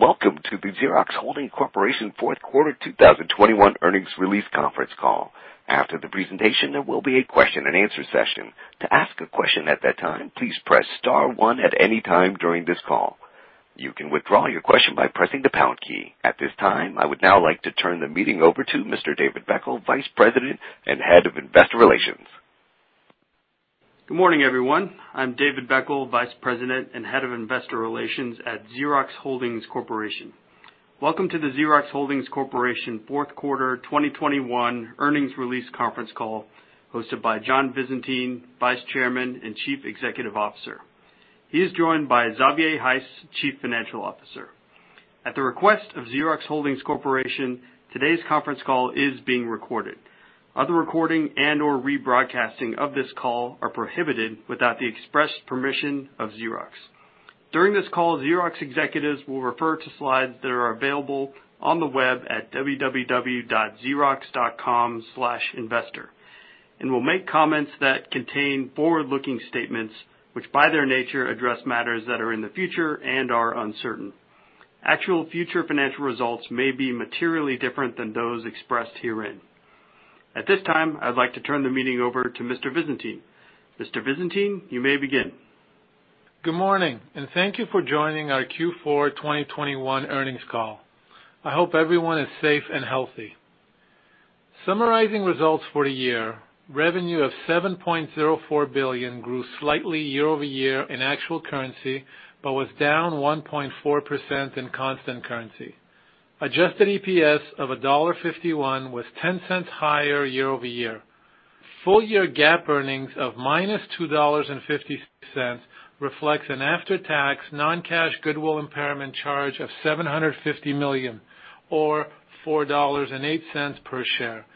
Welcome to the Xerox Holdings Corporation Fourth Quarter 2021 Earnings Release Conference Call. After the presentation, there will be a question-and-answer session. To ask a question at that time, please press star one at any time during this call. You can withdraw your question by pressing the pound key. At this time, I would now like to turn the meeting over to Mr. David Beckel, Vice President and Head of Investor Relations. Good morning, everyone. I'm David Beckel, Vice President and Head of Investor Relations at Xerox Holdings Corporation. Welcome to the Xerox Holdings Corporation Fourth Quarter 2021 Earnings Release Conference Call, hosted by John Visentin, Vice Chairman and Chief Executive Officer. He is joined by Xavier Heiss, Chief Financial Officer. At the request of Xerox Holdings Corporation, today's conference call is being recorded. Other recording and/or rebroadcasting of this call are prohibited without the express permission of Xerox. During this call, Xerox executives will refer to slides that are available on the web at www.xerox.com/investor, and will make comments that contain forward-looking statements which, by their nature, address matters that are in the future and are uncertain. Actual future financial results may be materially different than those expressed herein. At this time, I'd like to turn the meeting over to Mr. Visentin. Mr. Visentin, you may begin. Good morning, and thank you for joining our Q4 2021 earnings call. I hope everyone is safe and healthy. Summarizing results for the year, revenue of $7.04 billion grew slightly year-over-year in actual currency, but was down 1.4% in constant currency. Adjusted EPS of $1.51 was $0.10 higher year over year. Full year GAAP earnings of -$2.50 reflects an after-tax non-cash goodwill impairment charge of $750 million or $4.08 per share,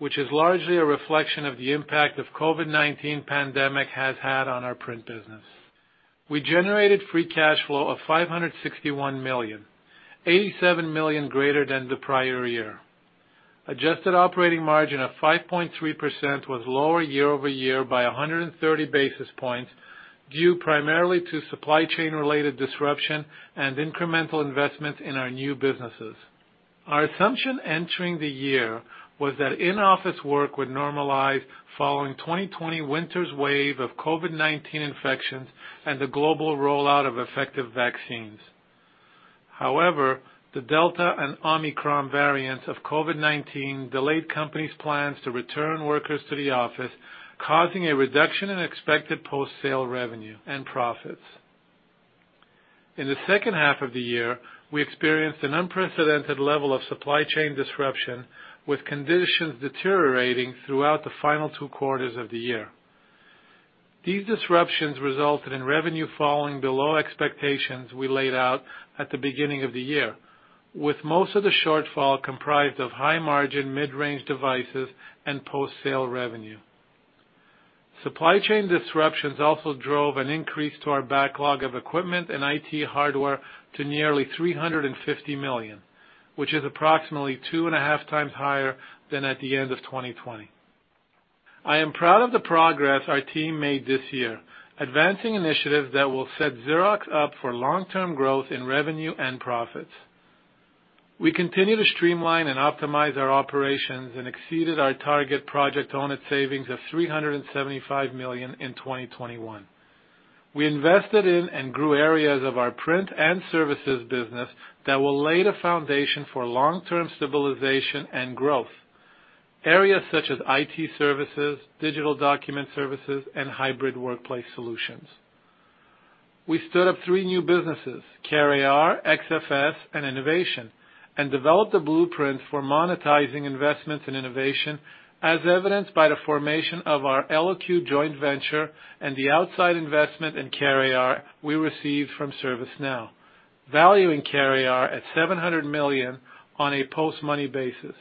which is largely a reflection of the impact the COVID-19 pandemic has had on our print business. We generated free cash flow of $561 million, $87 million greater than the prior year. Adjusted operating margin of 5.3% was lower year-over-year by 130 basis points, due primarily to supply chain-related disruption and incremental investments in our new businesses. Our assumption entering the year was that in-office work would normalize following 2020 winter's wave of COVID-19 infections and the global rollout of effective vaccines. However, the Delta and Omicron variants of COVID-19 delayed companies' plans to return workers to the office, causing a reduction in expected post-sale revenue and profits. In the second half of the year, we experienced an unprecedented level of supply chain disruption, with conditions deteriorating throughout the final two quarters of the year. These disruptions resulted in revenue falling below expectations we laid out at the beginning of the year, with most of the shortfall comprised of high-margin mid-range devices and post-sale revenue. Supply chain disruptions also drove an increase to our backlog of equipment and IT hardware to nearly $350 million, which is approximately 2.5x higher than at the end of 2020. I am proud of the progress our team made this year, advancing initiatives that will set Xerox up for long-term growth in revenue and profits. We continue to streamline and optimize our operations and exceeded our target Project Own It savings of $375 million in 2021. We invested in and grew areas of our print and services business that will lay the foundation for long-term stabilization and growth. Areas such as IT services, digital document services, and hybrid workplace solutions. We stood up three new businesses, CareAR, XFS, and Innovation, and developed a blueprint for monetizing investments in innovation, as evidenced by the formation of our Eloque, joint venture and the outside investment in CareAR we received from ServiceNow, valuing CareAR at $700 million on a post-money basis.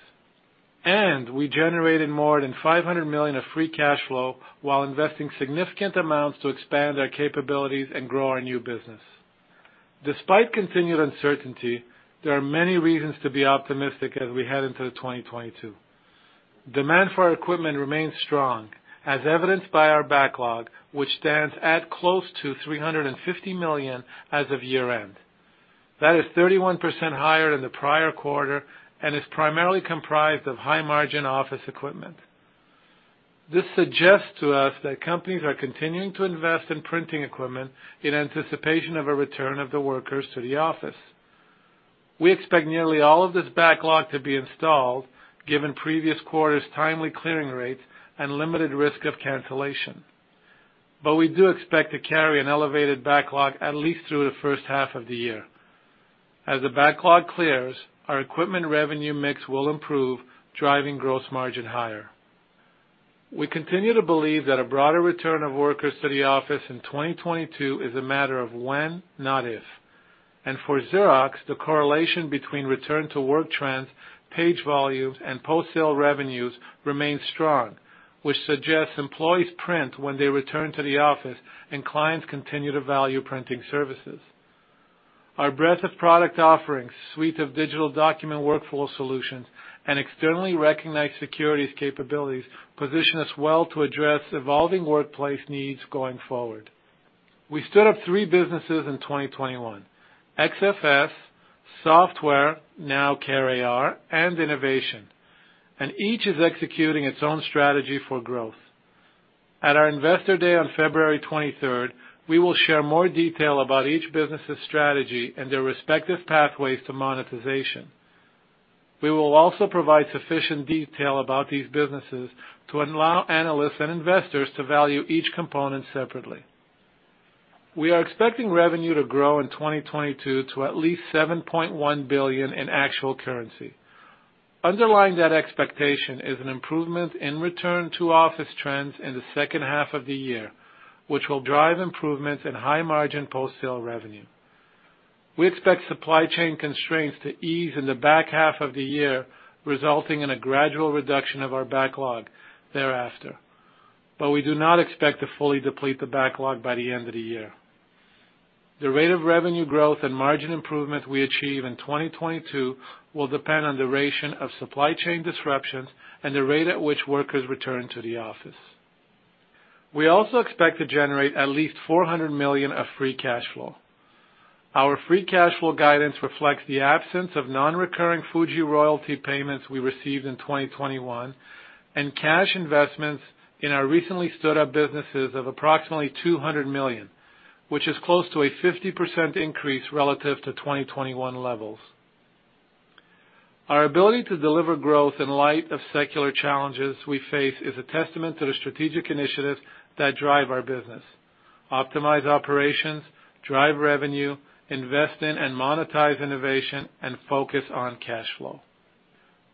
We generated more than $500 million of free cash flow while investing significant amounts to expand our capabilities and grow our new business. Despite continued uncertainty, there are many reasons to be optimistic as we head into 2022. Demand for our equipment remains strong, as evidenced by our backlog, which stands at close to $350 million as of year-end. That is 31% higher than the prior quarter and is primarily comprised of high-margin office equipment. This suggests to us that companies are continuing to invest in printing equipment in anticipation of a return of the workers to the office. We expect nearly all of this backlog to be installed, given previous quarters' timely clearing rates and limited risk of cancellation. We do expect to carry an elevated backlog at least through the first half of the year. As the backlog clears, our equipment revenue mix will improve, driving gross margin higher. We continue to believe that a broader return of workers to the office in 2022 is a matter of when, not if. For Xerox, the correlation between return to work trends, page volumes, and post-sale revenues remains strong, which suggests employees print when they return to the office and clients continue to value printing services. Our breadth of product offerings, suite of digital document workflow solutions, and externally recognized securities capabilities position us well to address evolving workplace needs going forward. We stood up three businesses in 2021: XFS, Software, now CareAR, and Innovation. Each is executing its own strategy for growth. At our Investor Day on February 23, we will share more detail about each business's strategy and their respective pathways to monetization. We will also provide sufficient detail about these businesses to allow analysts and investors to value each component separately. We are expecting revenue to grow in 2022 to at least $7.1 billion in actual currency. Underlying that expectation is an improvement in return to office trends in the second half of the year, which will drive improvements in high margin post-sale revenue. We expect supply chain constraints to ease in the back half of the year, resulting in a gradual reduction of our backlog thereafter. We do not expect to fully deplete the backlog by the end of the year. The rate of revenue growth and margin improvement we achieve in 2022 will depend on duration of supply chain disruptions and the rate at which workers return to the office. We also expect to generate at least $400 million of free cash flow. Our free cash flow guidance reflects the absence of non-recurring Fuji royalty payments we received in 2021, and cash investments in our recently stood up businesses of approximately $200 million, which is close to a 50% increase relative to 2021 levels. Our ability to deliver growth in light of secular challenges we face is a testament to the strategic initiatives that drive our business, optimize operations, drive revenue, invest in and monetize innovation, and focus on cash flow.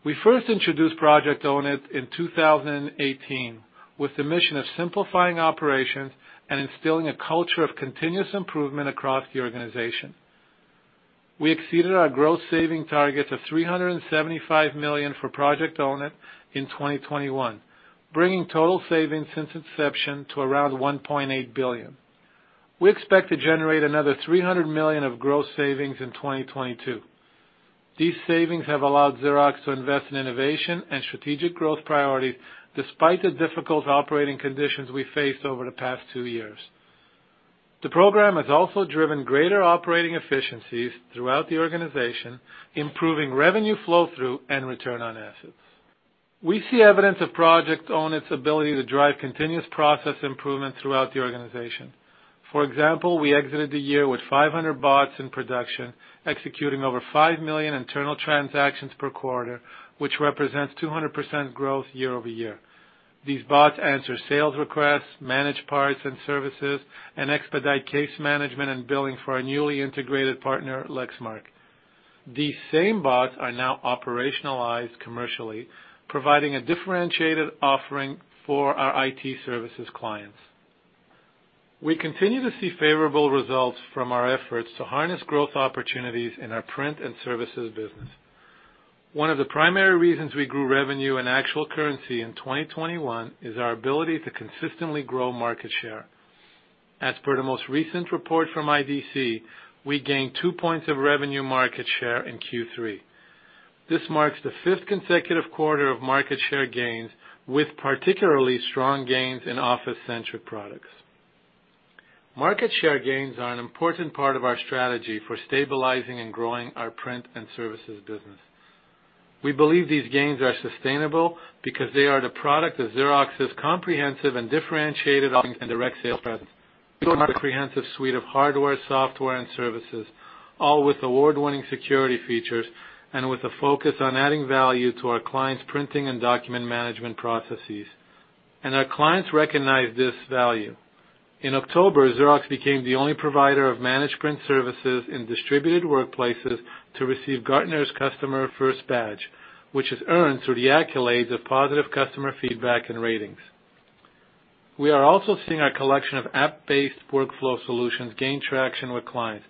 We first introduced Project Own It in 2018 with the mission of simplifying operations and instilling a culture of continuous improvement across the organization. We exceeded our growth saving target of $375 million for Project Own It in 2021, bringing total savings since inception to around $1.8 billion. We expect to generate another $300 million of growth savings in 2022. These savings have allowed Xerox to invest in innovation and strategic growth priorities, despite the difficult operating conditions we faced over the past two years. The program has also driven greater operating efficiencies throughout the organization, improving revenue flow through and return on assets. We see evidence of Project Own It's ability to drive continuous process improvement throughout the organization. For example, we exited the year with 500 bots in production, executing over 5 million internal transactions per quarter, which represents 200% growth year-over-year. These bots answer sales requests, manage parts and services, and expedite case management and billing for our newly integrated partner, Lexmark. These same bots are now operationalized commercially, providing a differentiated offering for our IT services clients. We continue to see favorable results from our efforts to harness growth opportunities in our print and services business. One of the primary reasons we grew revenue in actual currency in 2021 is our ability to consistently grow market share. As per the most recent report from IDC, we gained two points of revenue market share in Q3. This marks the fifth consecutive quarter of market share gains with particularly strong gains in office centric products. Market share gains are an important part of our strategy for stabilizing and growing our print and services business. We believe these gains are sustainable because they are the product of Xerox's comprehensive and differentiated offering and direct sales presence. We build a comprehensive suite of hardware, software, and services, all with award-winning security features and with a focus on adding value to our clients' printing and document management processes. Our clients recognize this value. In October, Xerox became the only provider of managed print services in distributed workplaces to receive Gartner's Customer First badge, which is earned through the accolades of positive customer feedback and ratings. We are also seeing our collection of app-based workflow solutions gain traction with clients,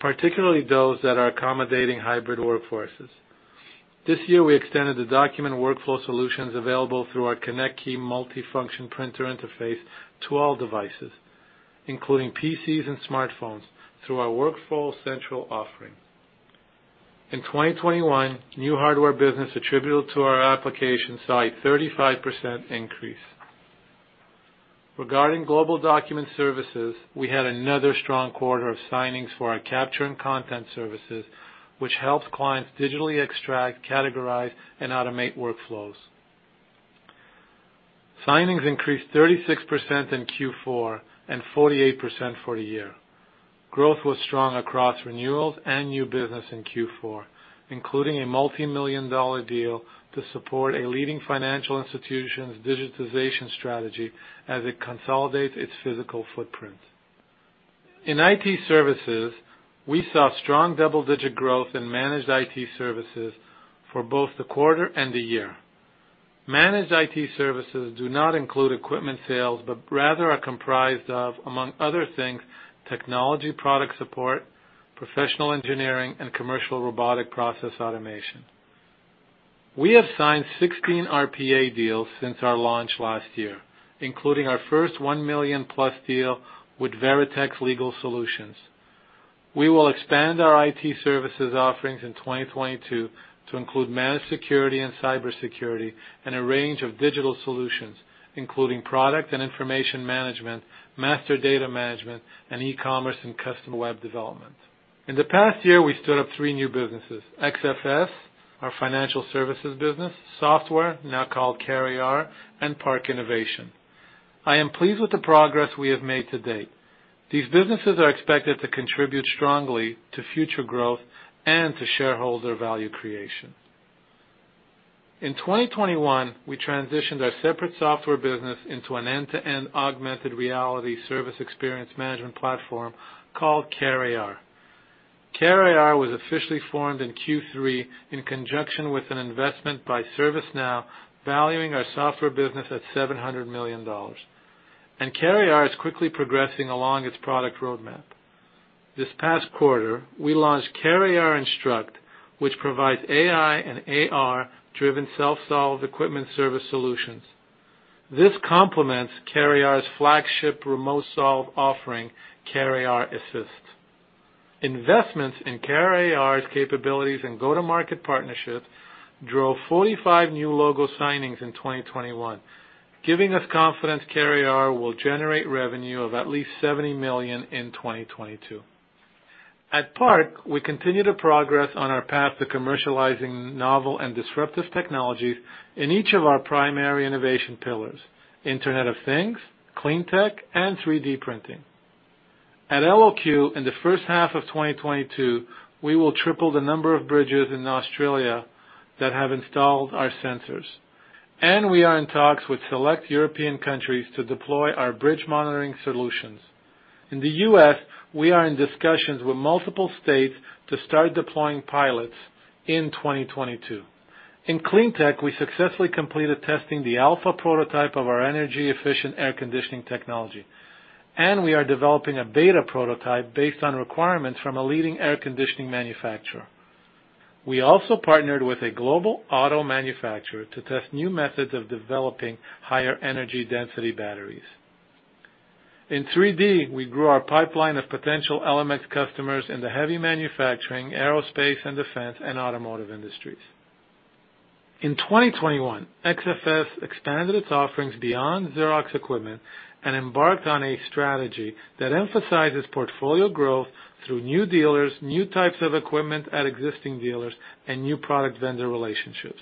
particularly those that are accommodating hybrid workforces. This year, we extended the document workflow solutions available through our ConnectKey multifunction printer interface to all devices, including PCs and smartphones, through our Workflow Central offering. In 2021, new hardware business attributable to our applications side, 35% increase. Regarding global document services, we had another strong quarter of signings for our capture and content services, which helps clients digitally extract, categorize, and automate workflows. Signings increased 36% in Q4, and 48% for the year. Growth was strong across renewals and new business in Q4, including a $ multimillion-dollar deal to support a leading financial institution's digitization strategy as it consolidates its physical footprint. In IT services, we saw strong double-digit growth in managed IT services for both the quarter and the year. Managed IT services do not include equipment sales, but rather are comprised of, among other things, technology product support, professional engineering, and commercial robotic process automation. We have signed 16 RPA deals since our launch last year, including our first $1 million+ deal with Veritext Legal Solutions. We will expand our IT services offerings in 2022 to include managed security and cybersecurity, and a range of digital solutions, including product and information management, master data management, and e-commerce and custom web development. In the past year, we stood up three new businesses, XFS, our financial services business, software, now called CareAR, and PARC Innovation. I am pleased with the progress we have made to date. These businesses are expected to contribute strongly to future growth and to shareholder value creation. In 2021, we transitioned our separate software business into an end-to-end augmented reality service experience management platform called CareAR. CareAR was officially formed in Q3 in conjunction with an investment by ServiceNow, valuing our software business at $700 million. CareAR is quickly progressing along its product roadmap. This past quarter, we launched CareAR Instruct, which provides AI and AR-driven self-solve equipment service solutions. This complements CareAR's flagship remote solve offering, CareAR Assist. Investments in CareAR's capabilities and go-to-market partnerships drove 45 new logo signings in 2021, giving us confidence CareAR will generate revenue of at least $70 million in 2022. At PARC, we continue to progress on our path to commercializing novel and disruptive technologies in each of our primary innovation pillars, Internet of Things, clean tech, and 3D printing. At Eloque, in the first half of 2022, we will triple the number of bridges in Australia that have installed our sensors. We are in talks with select European countries to deploy our bridge monitoring solutions. In the U.S., we are in discussions with multiple states to start deploying pilots in 2022. In clean tech, we successfully completed testing the alpha prototype of our energy-efficient air conditioning technology, and we are developing a beta prototype based on requirements from a leading air conditioning manufacturer. We also partnered with a global auto manufacturer to test new methods of developing higher energy density batteries. In 3D, we grew our pipeline of potential ElemX customers in the heavy manufacturing, aerospace and defense, and automotive industries. In 2021, XFS expanded its offerings beyond Xerox equipment and embarked on a strategy that emphasizes portfolio growth through new dealers, new types of equipment at existing dealers, and new product vendor relationships.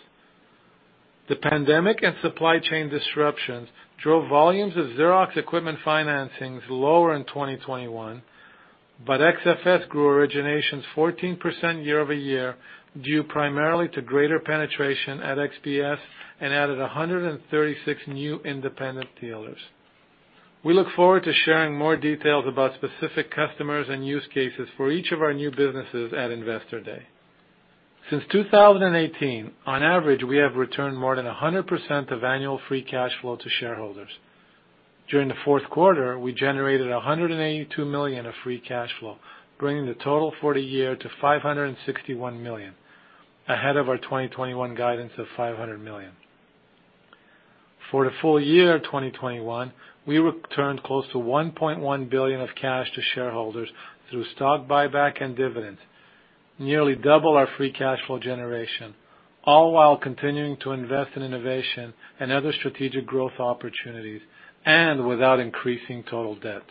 The pandemic and supply chain disruptions drove volumes of Xerox equipment financings lower in 2021, but XFS grew originations 14% year over year, due primarily to greater penetration at XBS, and added 136 new independent dealers. We look forward to sharing more details about specific customers and use cases for each of our new businesses at Investor Day. Since 2018, on average, we have returned more than 100% of annual free cash flow to shareholders. During the fourth quarter, we generated $182 million of free cash flow, bringing the total for the year to $561 million, ahead of our 2021 guidance of $500 million. For the full year 2021, we returned close to $1.1 billion of cash to shareholders through stock buyback and dividends, nearly double our free cash flow generation, all while continuing to invest in innovation and other strategic growth opportunities and without increasing total debt.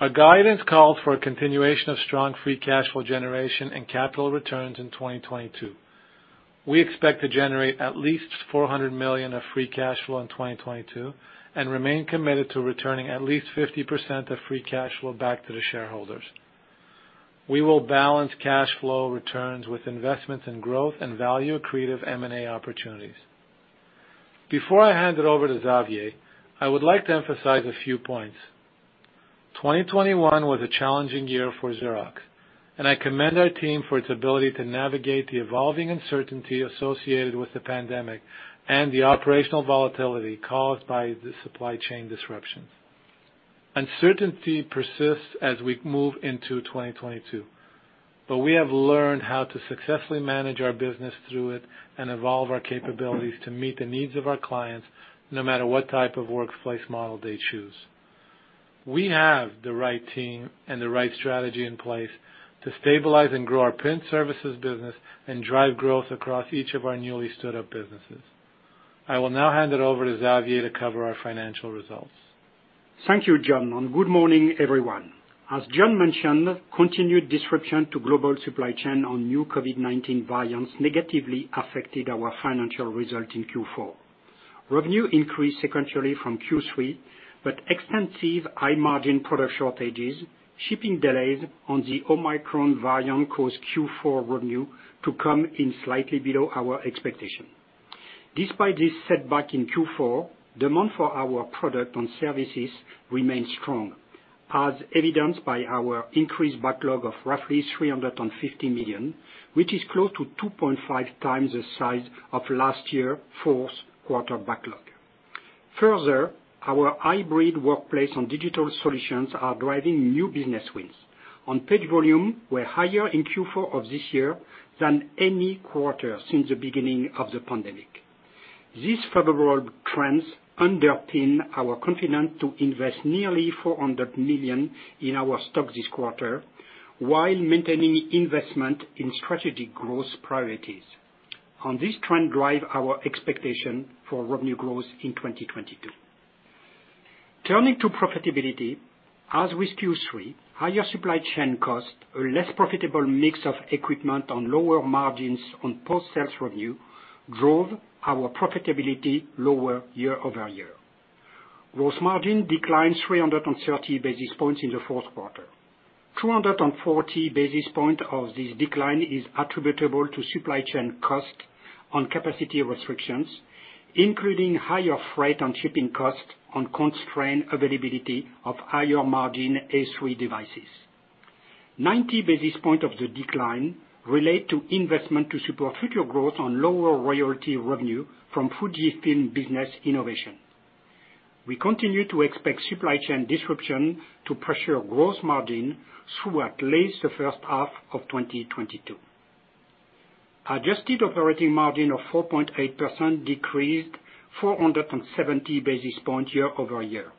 Our guidance calls for a continuation of strong free cash flow generation and capital returns in 2022. We expect to generate at least $400 million of free cash flow in 2022 and remain committed to returning at least 50% of free cash flow back to the shareholders. We will balance cash flow returns with investments in growth and value creative M&A opportunities. Before I hand it over to Xavier, I would like to emphasize a few points. 2021 was a challenging year for Xerox, and I commend our team for its ability to navigate the evolving uncertainty associated with the pandemic and the operational volatility caused by the supply chain disruptions. Uncertainty persists as we move into 2022, but we have learned how to successfully manage our business through it and evolve our capabilities to meet the needs of our clients, no matter what type of workplace model they choose. We have the right team and the right strategy in place to stabilize and grow our print services business and drive growth across each of our newly stood up businesses. I will now hand it over to Xavier to cover our financial results. Thank you, John, and good morning, everyone. As John mentioned, continued disruption to global supply chain from new COVID-19 variants negatively affected our financial result in Q4. Revenue increased sequentially from Q3, but extensive high-margin product shortages, shipping delays from the Omicron variant caused Q4 revenue to come in slightly below our expectation. Despite this setback in Q4, demand for our product and services remains strong, as evidenced by our increased backlog of roughly $350 million, which is close to 2.5x the size of last year fourth quarter backlog. Further, our hybrid workplace and digital solutions are driving new business wins. Page volumes were higher in Q4 of this year than any quarter since the beginning of the pandemic. These favorable trends underpin our confidence to invest nearly $400 million in our stock this quarter while maintaining investment in strategic growth priorities. On this trends drive our expectation for revenue growth in 2022. Turning to profitability, as with Q3, higher supply chain costs, a less profitable mix of equipment and lower margins on post-sales revenue drove our profitability lower year-over-year. Gross margin declined 330 basis points in the fourth quarter. 240 basis points of this decline is attributable to supply chain costs and capacity restrictions, including higher freight and shipping costs and constrained availability of higher margin A3 devices. Ninety basis points of the decline relate to investment to support future growth and lower royalty revenue from FUJIFILM Business Innovation. We continue to expect supply chain disruption to pressure gross margin through at least the first half of 2022. Adjusted operating margin of 4.8% decreased 470 basis points year-over-year,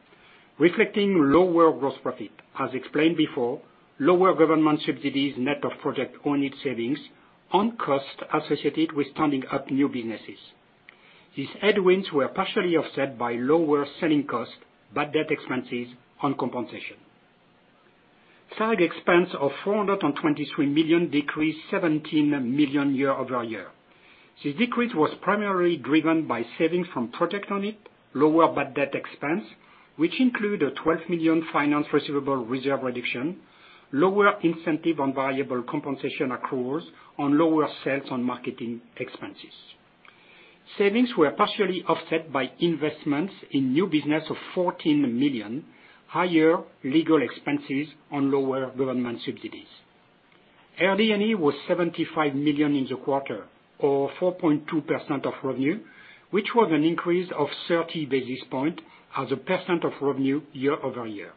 reflecting lower gross profit. As explained before, lower government subsidies, net of Project Own It savings on costs associated with standing up new businesses. These headwinds were partially offset by lower selling costs, bad debt expenses, and compensation. SAG expense of $423 million decreased $17 million year-over-year. This decrease was primarily driven by savings from Project Own It, lower bad debt expense, which included a $12 million finance receivable reserve reduction, lower incentives and variable compensation accruals, and lower sales and marketing expenses. Savings were partially offset by investments in new businesses of $14 million, higher legal expenses, and lower government subsidies. RD&E was $75 million in the quarter, or 4.2% of revenue, which was an increase of 30 basis points as a percent of revenue year-over-year.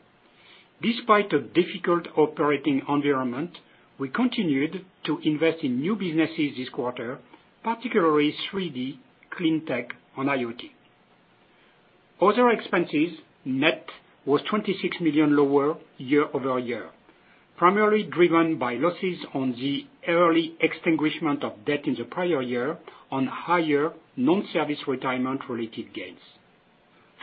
Despite a difficult operating environment, we continued to invest in new businesses this quarter, particularly 3D, clean tech, and IoT. Other expenses net was $26 million lower year-over-year, primarily driven by losses on the early extinguishment of debt in the prior year on higher non-service retirement-related gains.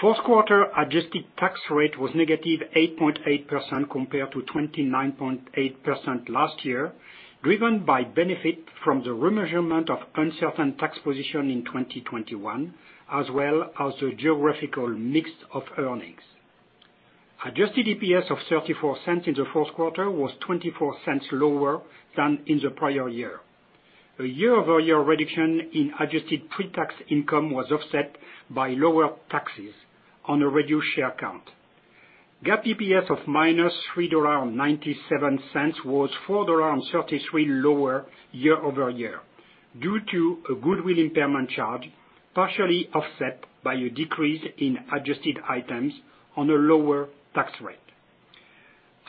Fourth quarter adjusted tax rate was -8.8% compared to 29.8% last year, driven by benefit from the remeasurement of uncertain tax position in 2021 as well as the geographical mix of earnings. Adjusted EPS of $0.34 in the fourth quarter was $0.24 lower than in the prior year. A year-over-year reduction in adjusted pre-tax income was offset by lower taxes on a reduced share count. GAAP EPS of -$3.97 was $4.33 lower year-over-year due to a goodwill impairment charge, partially offset by a decrease in adjusted items on a lower tax rate.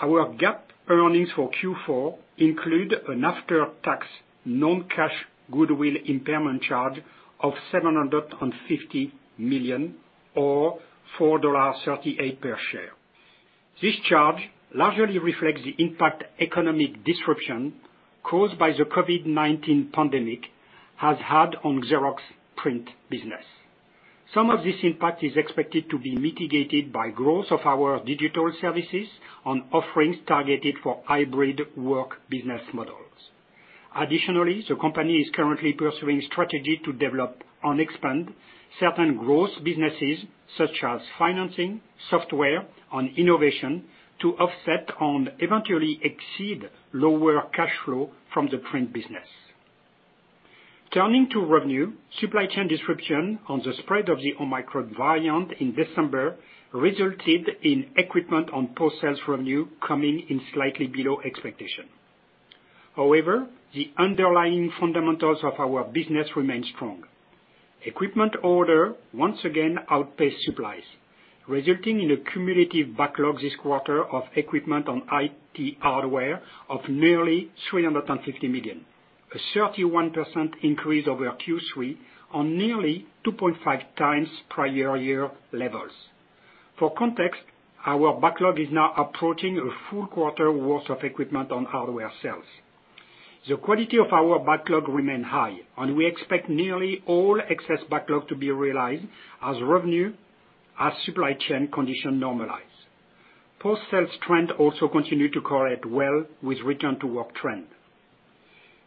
Our GAAP earnings for Q4 include an after-tax non-cash goodwill impairment charge of $750 million or $4.38 per share. This charge largely reflects the impact of economic disruption caused by the COVID-19 pandemic has had on Xerox's print business. Some of this impact is expected to be mitigated by growth of our digital services and offerings targeted for hybrid work business models. Additionally, the company is currently pursuing a strategy to develop and expand certain growth businesses such as financing, software, and innovation to offset and eventually exceed lower cash flow from the print business. Turning to revenue, supply chain disruption and the spread of the Omicron variant in December resulted in equipment and post-sales revenue coming in slightly below expectation. However, the underlying fundamentals of our business remain strong. Equipment orders once again outpaced supplies, resulting in a cumulative backlog this quarter of equipment and IT hardware of nearly $350 million, a 31% increase over Q3 on nearly 2.5x prior year levels. For context, our backlog is now approaching a full quarter worth of equipment on hardware sales. The quality of our backlog remain high, and we expect nearly all excess backlog to be realized as revenue as supply chain condition normalize. Post sales trend also continue to correlate well with return to work trend.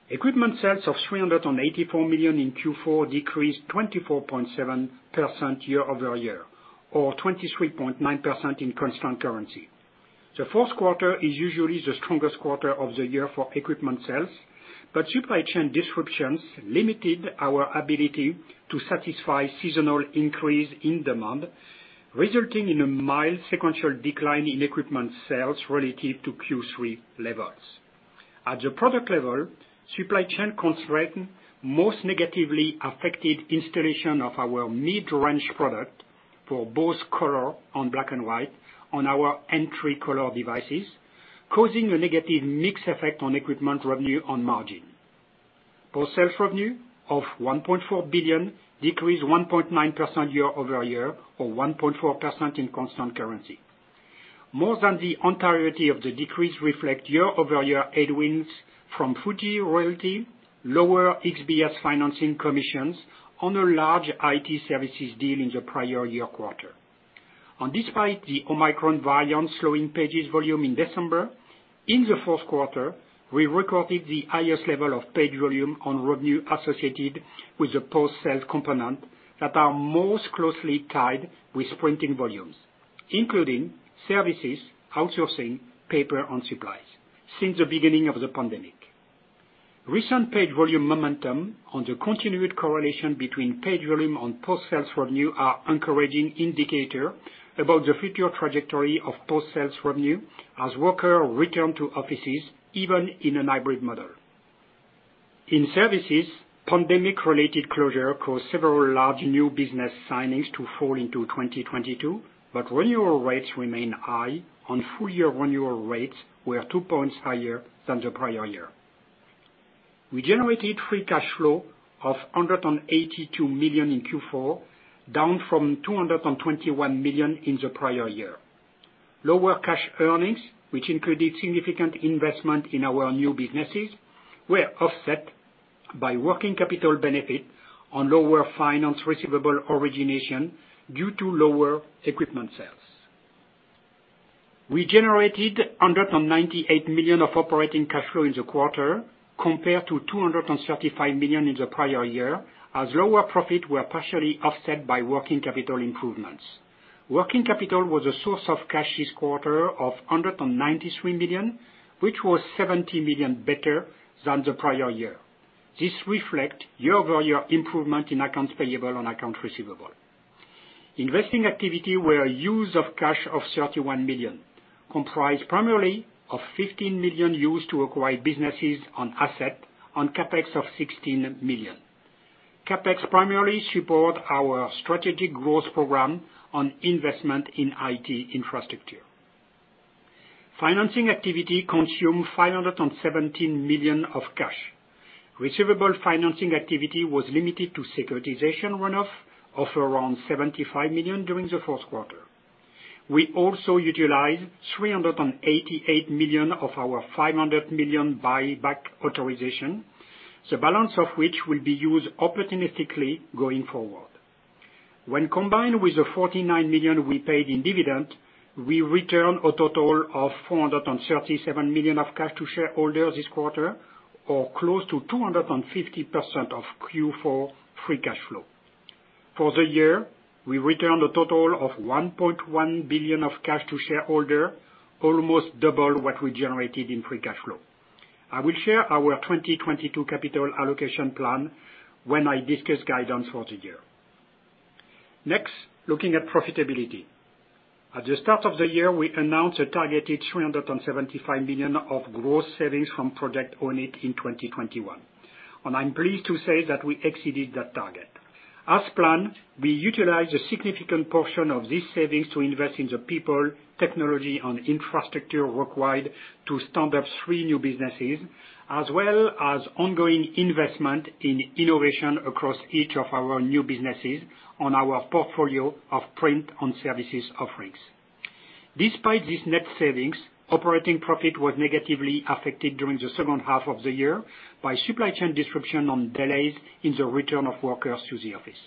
Equipment sales of $384 million in Q4 decreased 24.7% year-over-year or 23.9% in constant currency. The fourth quarter is usually the strongest quarter of the year for equipment sales, but supply chain disruptions limited our ability to satisfy seasonal increase in demand, resulting in a mild sequential decline in equipment sales relative to Q3 levels. At the product level, supply chain constraint most negatively affected installation of our mid-range product for both color and black and white on our entry color devices, causing a negative mix effect on equipment revenue and margin. Post-sales revenue of $1.4 billion decreased 1.9% year-over-year or 1.4% in constant currency. More than the entirety of the decrease reflect year-over-year headwinds from Fuji royalty, lower XBS financing commissions on a large IT services deal in the prior year quarter. Despite the Omicron variant slowing page volume in December, in the fourth quarter, we recorded the highest level of page volume and revenue associated with the post-sales component that are most closely tied with printing volumes, including services, outsourcing, paper, and supplies since the beginning of the pandemic. Recent page volume momentum and the continued correlation between page volume and post-sales revenue are encouraging indicators about the future trajectory of post-sales revenue as workers return to offices, even in a hybrid model. In services, pandemic-related closures caused several large new business signings to fall into 2022, but renewal rates remain high, and full-year renewal rates were two points higher than the prior year. We generated free cash flow of $182 million in Q4, down from $221 million in the prior year. Lower cash earnings, which included significant investment in our new businesses, were offset by working capital benefit on lower finance receivable origination due to lower equipment sales. We generated $198 million of operating cash flow in the quarter, compared to $235 million in the prior year, as lower profit were partially offset by working capital improvements. Working capital was a source of cash this quarter of $193 million, which was $70 million better than the prior year. This reflect year-over-year improvement in accounts payable and accounts receivable. Investing activity were a use of cash of $31 million, comprised primarily of $15 million used to acquire businesses and assets and CapEx of $16 million. CapEx primarily support our strategic growth program and investment in IT infrastructure. Financing activity consumed $517 million of cash. Receivable financing activity was limited to securitization runoff of around $75 million during the fourth quarter. We also utilized $388 million of our $500 million buyback authorization, the balance of which will be used opportunistically going forward. When combined with the $49 million we paid in dividend, we return a total of $437 million of cash to shareholders this quarter, or close to 250% of Q4 free cash flow. For the year, we returned a total of $1.1 billion of cash to shareholder, almost double what we generated in free cash flow. I will share our 2022 capital allocation plan when I discuss guidance for the year. Next, looking at profitability. At the start of the year, we announced a targeted $375 million of gross savings from Project Own It in 2021, and I'm pleased to say that we exceeded that target. As planned, we utilized a significant portion of these savings to invest in the people, technology, and infrastructure required to stand up three new businesses, as well as ongoing investment in innovation across each of our new businesses on our portfolio of print and services offerings. Despite these net savings, operating profit was negatively affected during the second half of the year by supply chain disruption and delays in the return of workers to the office.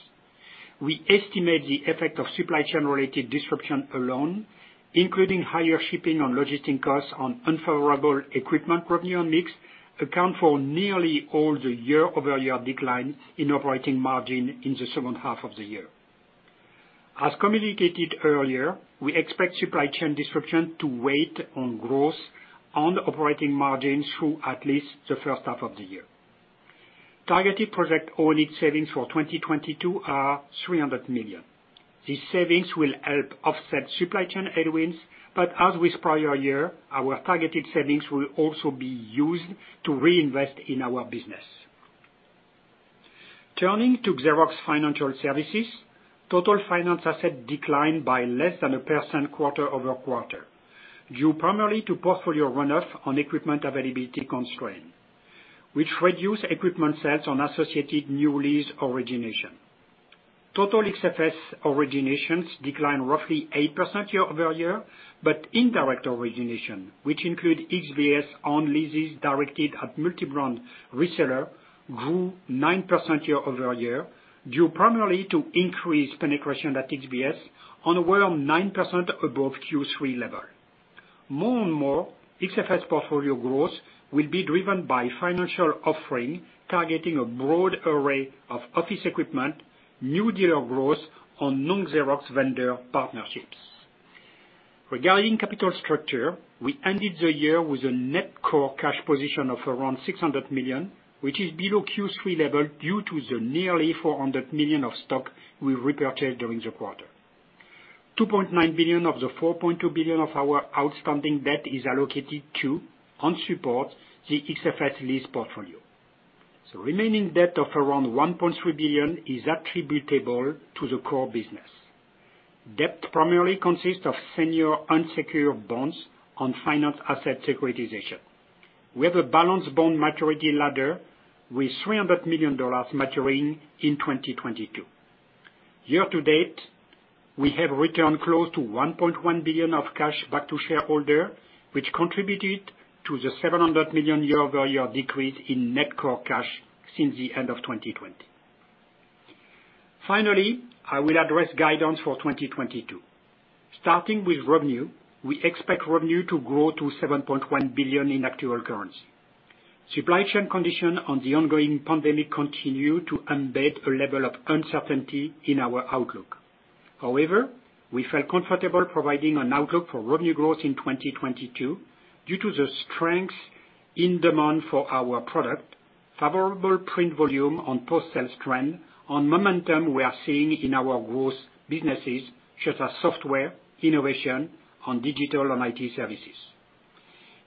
We estimate the effect of supply chain-related disruption alone, including higher shipping and logistics costs and unfavorable equipment revenue mix, accounts for nearly all the year-over-year decline in operating margin in the second half of the year. As communicated earlier, we expect supply chain disruption to weigh on growth and operating margin through at least the first half of the year. Targeted Project Own It savings for 2022 are $300 million. These savings will help offset supply chain headwinds, but as with prior year, our targeted savings will also be used to reinvest in our business. Turning to Xerox Financial Services, total finance assets declined by less than 1% quarter-over-quarter, due primarily to portfolio runoff and equipment availability constraint, which reduced equipment sales on associated new lease origination. Total XFS originations declined roughly 8% year-over-year, but indirect origination, which includes XBS on leases directed at multi-brand reseller, grew 9% year-over-year, due primarily to increased penetration at XBS, and we're 9% above Q3 level. More and more, XFS portfolio growth will be driven by financial offering targeting a broad array of office equipment, new dealer growth, and non-Xerox vendor partnerships. Regarding capital structure, we ended the year with a net core cash position of around $600 million, which is below Q3 level due to the nearly $400 million of stock we repurchased during the quarter. $2.9 billion of the $4.2 billion of our outstanding debt is allocated to and supports the XFS lease portfolio. The remaining debt of around $1.3 billion is attributable to the core business. Debt primarily consists of senior unsecured bonds and finance asset securitization. We have a balanced bond maturity ladder with $300 million maturing in 2022. Year to date, we have returned close to $1.1 billion of cash back to shareholder, which contributed to the $700 million year-over-year decrease in net core cash since the end of 2020. Finally, I will address guidance for 2022. Starting with revenue, we expect revenue to grow to $7.1 billion in actual currency. Supply chain conditions and the ongoing pandemic continue to embed a level of uncertainty in our outlook. However, we felt comfortable providing an outlook for revenue growth in 2022 due to the strength in demand for our product, favorable print volumes and post-sales trends, and momentum we are seeing in our growth businesses such as software, innovation, and digital and IT services.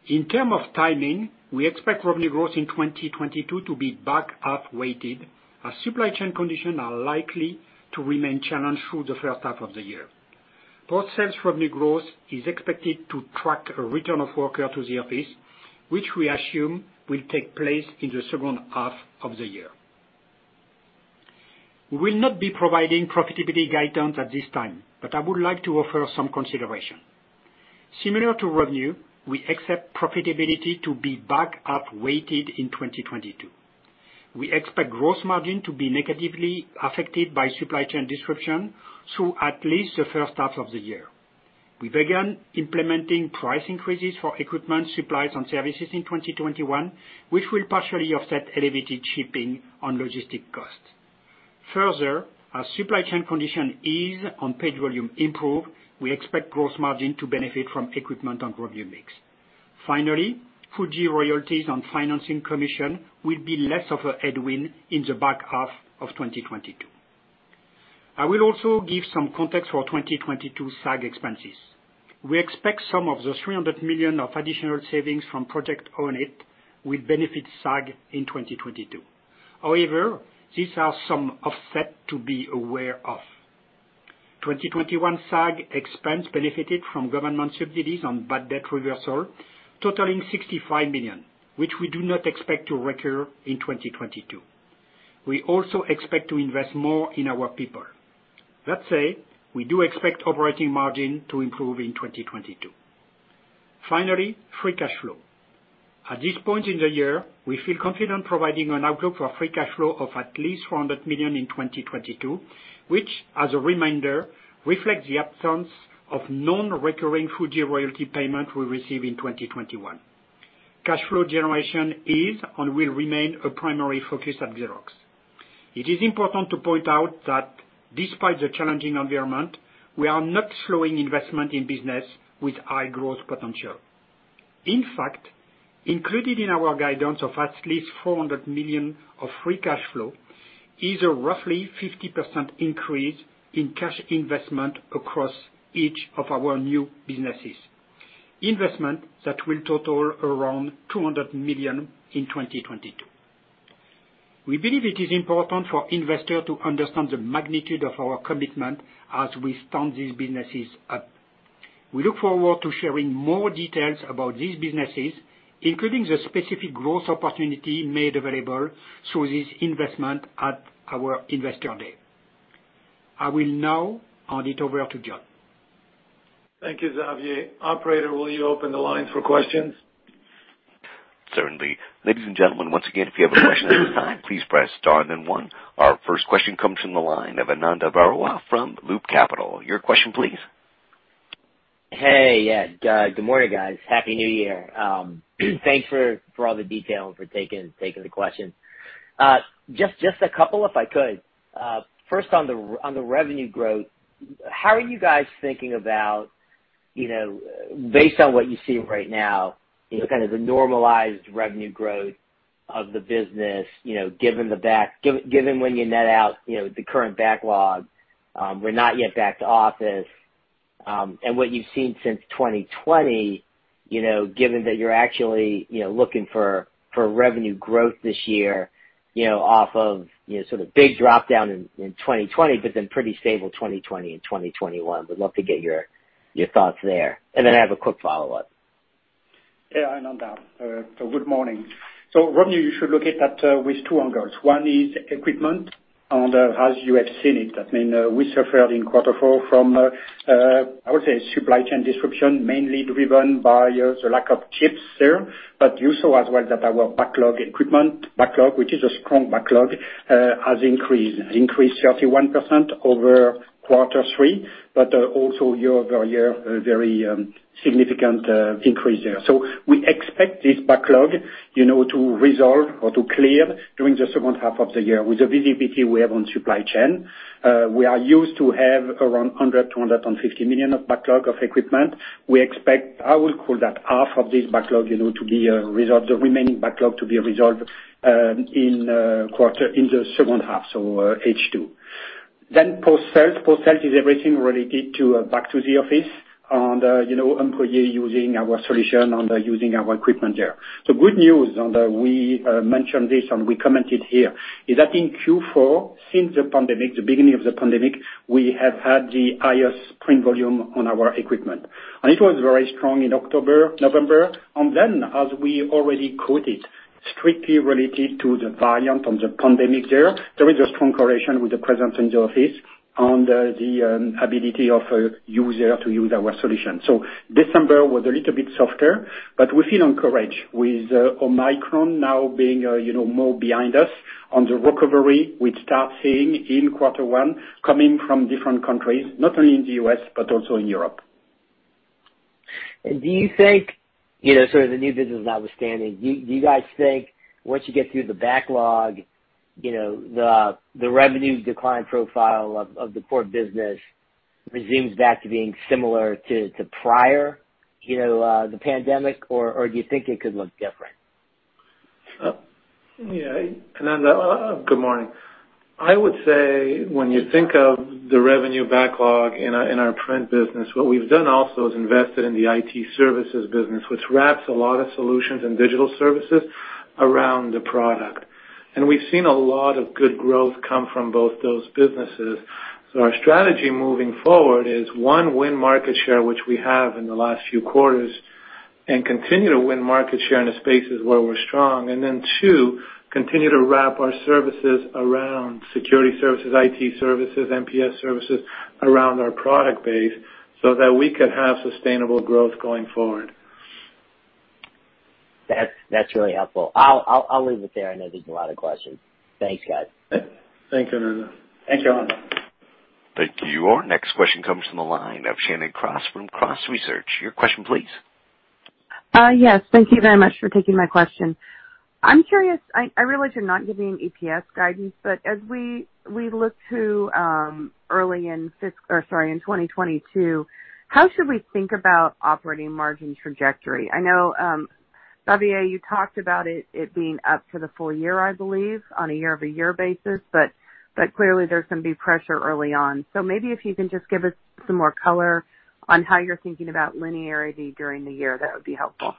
In terms of timing, we expect revenue growth in 2022 to be back half weighted, as supply chain conditions are likely to remain challenged through the first half of the year. Post-sales revenue growth is expected to track a return of workers to the office, which we assume will take place in the second half of the year. We will not be providing profitability guidance at this time, but I would like to offer some consideration. Similar to revenue, we expect profitability to be back half weighted in 2022. We expect gross margin to be negatively affected by supply chain disruption through at least the first half of the year. We began implementing price increases for equipment, supplies, and services in 2021, which will partially offset elevated shipping and logistics costs. Further, as supply chain conditions ease and paid volume improves, we expect gross margin to benefit from equipment and revenue mix. Finally, Fuji royalties and financing commissions will be less of a headwind in the back half of 2022. I will also give some context for 2022 SAG expenses. We expect some of the $300 million of additional savings from Project Own It will benefit SAG in 2022. However, there are some offsets to be aware of. 2021 SAG expense benefited from government subsidies and bad debt reversal totaling $65 million, which we do not expect to recur in 2022. We also expect to invest more in our people. Let's say, we do expect operating margin to improve in 2022. Finally, free cash flow. At this point in the year, we feel confident providing an outlook for free cash flow of at least $400 million in 2022, which, as a reminder, reflects the absence of non-recurring Fuji royalty payment we received in 2021. Cash flow generation is and will remain a primary focus at Xerox. It is important to point out that despite the challenging environment, we are not slowing investment in businesses with high growth potential. In fact, included in our guidance of at least $400 million of free cash flow is a roughly 50% increase in cash investment across each of our new businesses, investment that will total around $200 million in 2022. We believe it is important for investors to understand the magnitude of our commitment as we stand these businesses up. We look forward to sharing more details about these businesses, including the specific growth opportunity made available through this investment at our Investor Day. I will now hand it over to John. Thank you, Xavier. Operator, will you open the line for questions? Certainly. Ladies and gentlemen, once again, if you have a question at this time, please press star then one. Our first question comes from the line of Ananda Baruah from Loop Capital. Your question please. Hey. Yeah, good morning, guys. Happy New Year. Thanks for all the detail and for taking the question. Just a couple, if I could. First on the revenue growth, how are you guys thinking about, you know, based on what you see right now, you know, kind of the normalized revenue growth of the business, you know, given when you net out, you know, the current backlog, we're not yet back to office, and what you've seen since 2020, you know, given that you're actually, you know, looking for revenue growth this year, you know, off of, you know, sort of big drop down in 2020, but then pretty stable 2020 and 2021. Would love to get your thoughts there. I have a quick follow-up. Yeah, Ananda, good morning. Revenue, you should look at that with two angles. One is equipment and as you have seen it, I mean, we suffered in quarter four from I would say supply chain disruption, mainly driven by the lack of chips there. You saw as well that our backlog equipment backlog, which is a strong backlog, has increased 31% over quarter three, but also year-over-year, a very significant increase there. We expect this backlog, you know, to resolve or to clear during the second half of the year with the visibility we have on supply chain. We are used to have around $100-$250 million of backlog of equipment. We expect, I will call that half of this backlog, you know, to be resolved, the remaining backlog to be resolved in the second half, so H2. Post sales is everything related to back to the office and, you know, employee using our solution and using our equipment there. Good news, and we mentioned this and we commented here, is that in Q4, since the beginning of the pandemic, we have had the highest print volume on our equipment. It was very strong in October, November. Then, as we already quoted. Strictly related to the variant on the pandemic there. There is a strong correlation with the presence in the office on the ability of a user to use our solution. December was a little bit softer, but we feel encouraged with Omicron now being more behind us on the recovery we start seeing in quarter one coming from different countries, not only in the U.S., but also in Europe. Do you think, you know, sort of the new business notwithstanding, do you guys think once you get through the backlog, you know, the revenue decline profile of the core business resumes back to being similar to prior, you know, the pandemic, or do you think it could look different? Yeah. Ananda, good morning. I would say when you think of the revenue backlog in our print business, what we've done also is invested in the IT services business, which wraps a lot of solutions and digital services around the product. We've seen a lot of good growth come from both those businesses. Our strategy moving forward is, one, win market share, which we have in the last few quarters, and continue to win market share in the spaces where we're strong. Then two, continue to wrap our services around security services, IT services, MPS services around our product base so that we could have sustainable growth going forward. That's really helpful. I'll leave it there. I know there's a lot of questions. Thanks, guys. Thanks, Ananda. Thanks, John. Thank you. Our next question comes from the line of Shannon Cross from Cross Research. Your question please. Yes. Thank you very much for taking my question. I'm curious. I realize you're not giving EPS guidance, but as we look to early in 2022, how should we think about operating margin trajectory? I know, Xavier, you talked about it being up for the full year, I believe, on a year-over-year basis, but clearly there's gonna be pressure early on. Maybe if you can just give us some more color on how you're thinking about linearity during the year, that would be helpful.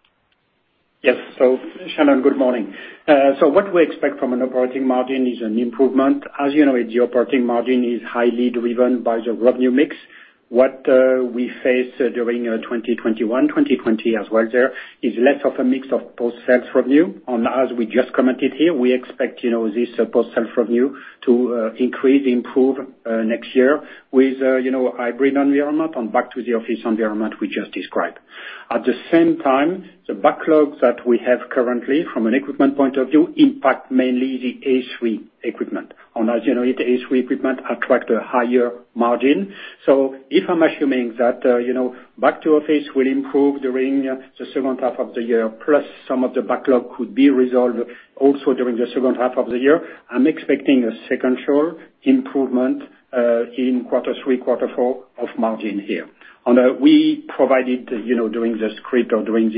Yes. Shannon, good morning. What we expect from an operating margin is an improvement. As you know, the operating margin is highly driven by the revenue mix. What we face during 2021, 2020 as well there, is less of a mix of post-sales revenue. As we just commented here, we expect, you know, this post-sales revenue to increase, improve next year with, you know, hybrid environment and back to the office environment we just described. At the same time, the backlogs that we have currently from an equipment point of view impact mainly the A3 equipment. As you know, the A3 equipment attract a higher margin. If I'm assuming that, you know, back to office will improve during the second half of the year, plus some of the backlog could be resolved also during the second half of the year, I'm expecting a sequential improvement in quarter three, quarter four of margin here. We provided, you know, during the script or during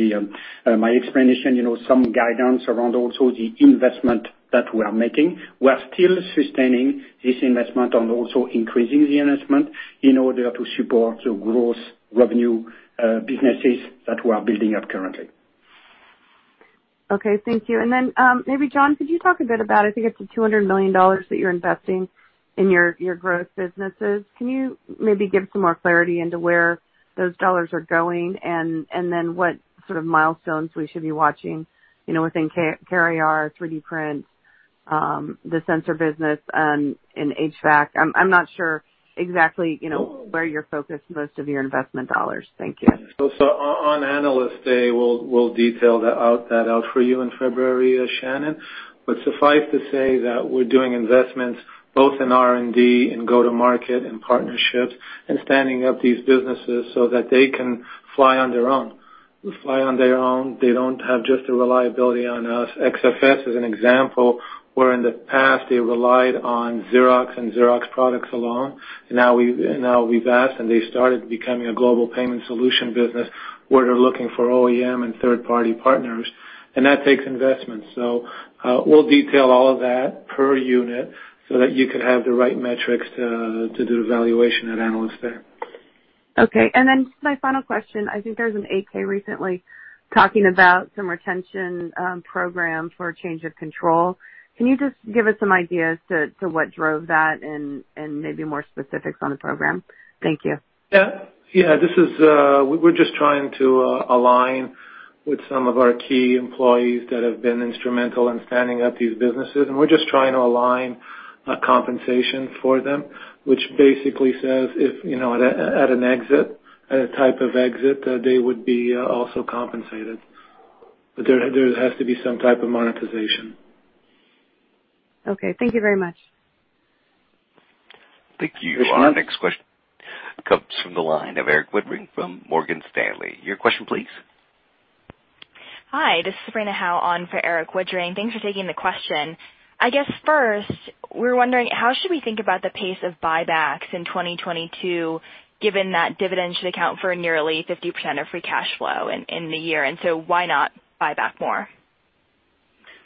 my explanation, you know, some guidance around also the investment that we are making. We are still sustaining this investment and also increasing the investment in order to support the growth revenue businesses that we are building up currently. Okay, thank you. Maybe John, could you talk a bit about, I think it's the $200 million that you're investing in your growth businesses. Can you maybe give some more clarity into where those dollars are going and then what sort of milestones we should be watching, you know, within CareAR, 3D print, the sensor business and in HVAC? I'm not sure exactly, you know, where you're focused most of your investment dollars. Thank you. On Analyst Day, we'll detail that out for you in February, Shannon. Suffice to say that we're doing investments both in R&D and go-to-market and partnerships and standing up these businesses so that they can fly on their own. They don't have just a reliability on us. XFS is an example where in the past they relied on Xerox and Xerox products alone. Now we've asked, and they started becoming a global payment solution business where they're looking for OEM and third-party partners. That takes investment. We'll detail all of that per unit so that you could have the right metrics to do the valuation at Analyst Day. Okay. Just my final question, I think there was an 8-K recently talking about some retention program for change of control. Can you just give us some ideas to what drove that and maybe more specifics on the program? Thank you. Yeah. We're just trying to align with some of our key employees that have been instrumental in standing up these businesses. We're just trying to align compensation for them, which basically says if, you know, at a type of exit, they would be also compensated. There has to be some type of monetization. Okay. Thank you very much. Thank you. Our next question comes from the line of Erik Woodring from Morgan Stanley. Your question please. Hi, this is Sabrina Hao on for Erik Woodring. Thanks for taking the question. I guess first, we're wondering how should we think about the pace of buybacks in 2022, given that dividend should account for nearly 50% of free cash flow in the year, and so why not buy back more?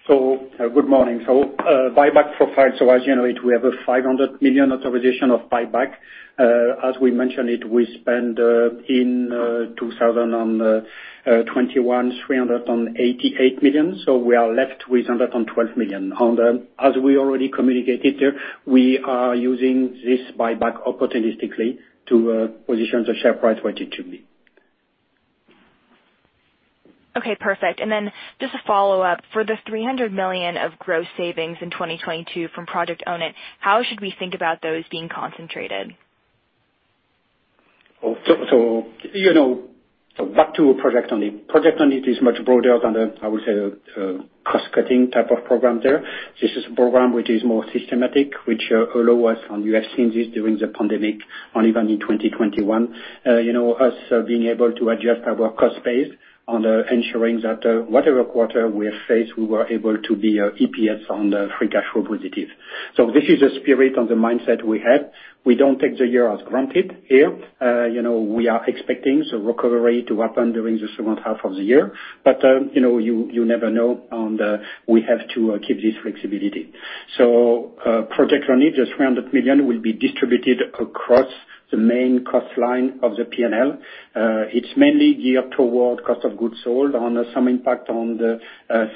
Good morning. Buyback profile. As you know it, we have a $500 million authorization of buyback. As we mentioned it, we spent in 2021 $388 million. We are left with $112 million. As we already communicated, we are using this buyback opportunistically to position the share price where it should be. Okay, perfect. Just a follow-up. For the $300 million of gross savings in 2022 from Project Own It, how should we think about those being concentrated? Oh, you know, back to Project Own It. Project Own It is much broader than the, I would say, cost-cutting type of program there. This is a program which is more systematic, which allow us, and you have seen this during the pandemic and even in 2021, you know, us being able to adjust our cost base on ensuring that, whatever quarter we face, we were able to be EPS on the free cash flow positive. This is the spirit and the mindset we have. We don't take the year as granted here. You know, we are expecting some recovery to happen during the second half of the year, but, you know, you never know on the, we have to keep this flexibility. Project Own It, the $300 million will be distributed across the main cost line of the P&L. It's mainly geared toward cost of goods sold with some impact on the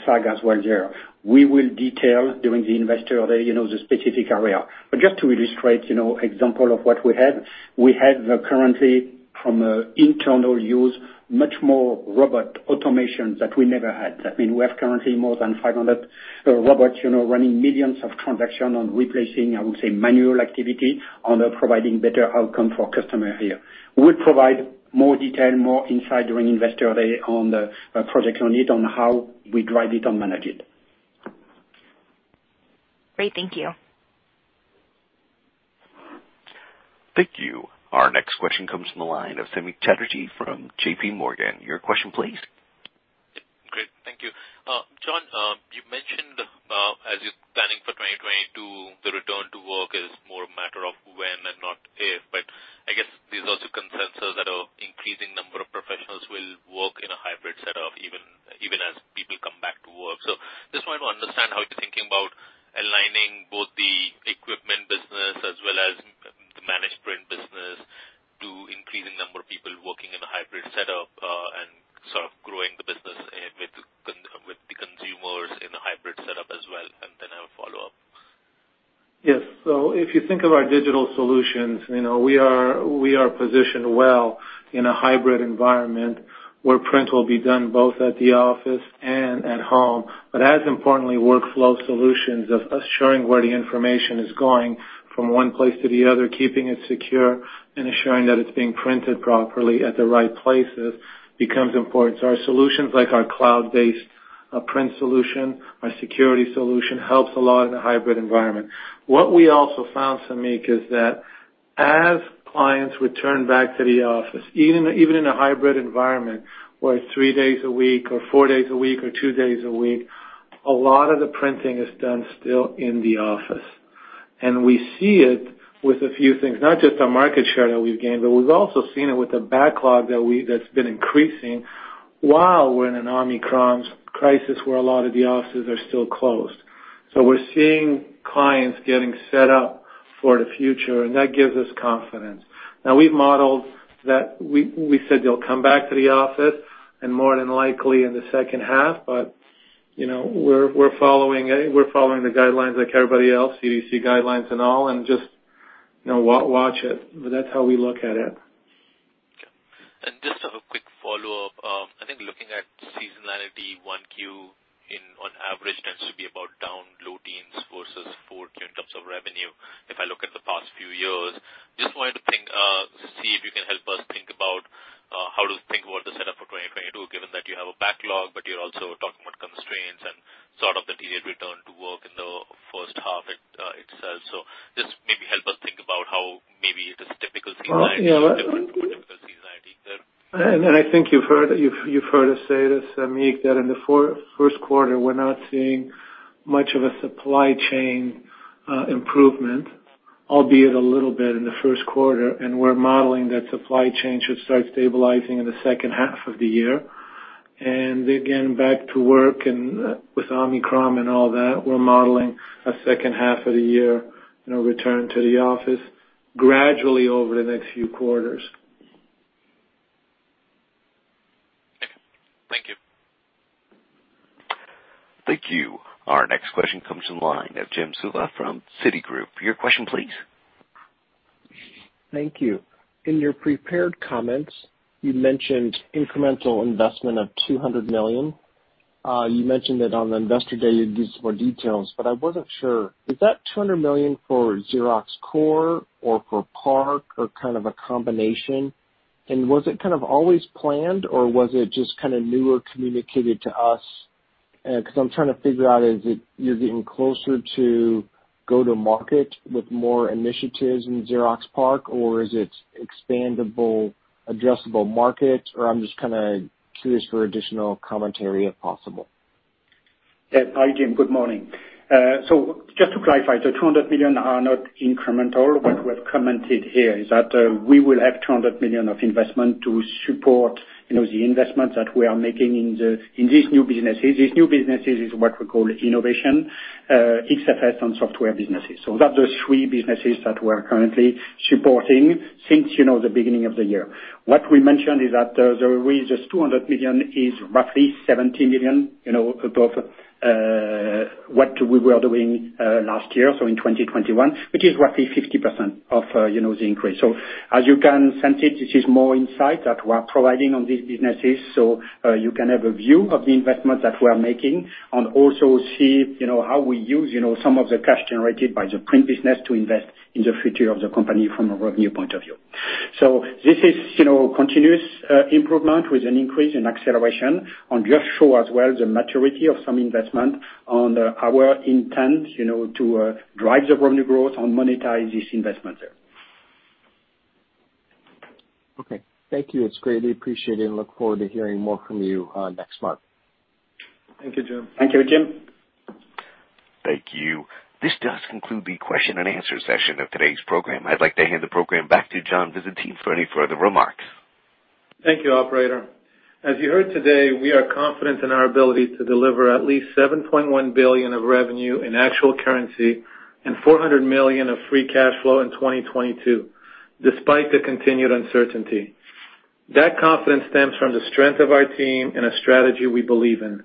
SAG as well there. We will detail during the Investor Day, you know, the specific area. But just to illustrate, you know, example of what we have, we have currently from internal use much more robotic automation that we never had. That means we have currently more than 500 robots, you know, running millions of transactions in replacing, I would say, manual activity in providing better outcome for customer here. We'll provide more detail, more insight during Investor Day on the Project Own It, on how we drive it and manage it. Great. Thank you. Thank you. Our next question comes from the line of Samik Chatterjee from JPMorgan. Your question please. Great. Thank you. John, you mentioned, as you're planning for 2022, the return to work is more a matter of when and not if, but I guess there's also consensus that an increasing number of professionals will work in a hybrid setup, even as people come back to work. Just wanted to understand how you're thinking about aligning both the equipment business as well as the managed print business to increasing number of people working in a hybrid setup, and sort of growing the business with the consumers in a hybrid setup as well. I have a follow-up. Yes. If you think of our digital solutions, you know, we are positioned well in a hybrid environment where print will be done both at the office and at home. As importantly, workflow solutions for assuring where the information is going from one place to the other, keeping it secure and ensuring that it's being printed properly at the right places becomes important. Our solutions, like our cloud-based print solution, our security solution, helps a lot in a hybrid environment. What we also found, Samik, is that as clients return back to the office, even in a hybrid environment, where it's three days a week or four days a week or two days a week, a lot of the printing is done still in the office. We see it with a few things, not just on market share that we've gained, but we've also seen it with the backlog that's been increasing while we're in an Omicron crisis where a lot of the offices are still closed. We're seeing clients getting set up for the future, and that gives us confidence. Now, we've modeled that we said they'll come back to the office and more than likely in the second half, but you know, we're following the guidelines like everybody else, CDC guidelines and all, and just you know, watch it. That's how we look at it. Okay. Just a quick follow-up. I think looking at seasonality, 1Q on average tends to be about down low teens versus 4Q in terms of revenue, if I look at the past few years. Just wanted to see if you can help us think about how to think about the setup for 2022, given that you have a backlog, but you're also talking about constraints and sort of the delayed return to work in the first half of it itself. Just maybe help us think about how maybe this typical seasonality- Well, yeah. Different seasonality there. I think you've heard us say this, Samik, that in the first quarter, we're not seeing much of a supply chain improvement, albeit a little bit in the first quarter. We're modeling that supply chain should start stabilizing in the second half of the year. Again, back to work and with Omicron and all that, we're modeling a second half of the year, you know, return to the office gradually over the next few quarters. Thank you. Thank you. Our next question comes from the line of Jim Suva from Citigroup. Your question please. Thank you. In your prepared comments, you mentioned incremental investment of $200 million. You mentioned that on the Investor Day you'd give some more details, but I wasn't sure. Is that $200 million for Xerox core or for PARC or kind of a combination? Was it kind of always planned, or was it just kind of newly communicated to us? 'Cause I'm trying to figure out, is it you're getting closer to go to market with more initiatives in Xerox PARC, or is it expandable, adjustable market? I'm just kinda curious for additional commentary if possible. Yes. Hi, Jim. Good morning. Just to clarify, the $200 million are not incremental. What we've commented here is that we will have $200 million of investment to support the investments that we are making in these new businesses. These new businesses is what we call innovation, XFS, and software businesses. That's the three businesses that we're currently supporting since the beginning of the year. What we mentioned is that the reason $200 million is roughly $70 million above what we were doing last year, so in 2021, which is roughly 50% of the increase. As you can sense it, this is more insight that we're providing on these businesses. You can have a view of the investment that we're making and also see, you know, how we use, you know, some of the cash generated by the print business to invest in the future of the company from a revenue point of view. This is, you know, continuous, improvement with an increase in acceleration and just show as well the maturity of some investment on our intent, you know, to, drive the revenue growth and monetize this investment there. Okay. Thank you. It's greatly appreciated and I look forward to hearing more from you next month. Thank you, Jim. Thank you, Jim. Thank you. This does conclude the question and answer session of today's program. I'd like to hand the program back to John Visentin for any further remarks. Thank you, operator. As you heard today, we are confident in our ability to deliver at least $7.1 billion of revenue in actual currency and $400 million of free cash flow in 2022, despite the continued uncertainty. That confidence stems from the strength of our team and a strategy we believe in.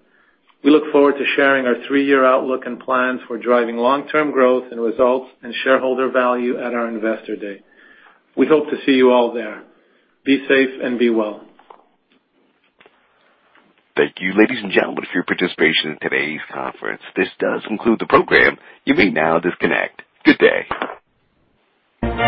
We look forward to sharing our three-year outlook and plans for driving long-term growth and results and shareholder value at our Investor Day. We hope to see you all there. Be safe and be well. Thank you, ladies and gentlemen, for your participation in today's conference. This does conclude the program. You may now disconnect. Good day.